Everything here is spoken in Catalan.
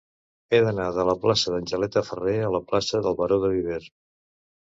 He d'anar de la plaça d'Angeleta Ferrer a la plaça del Baró de Viver.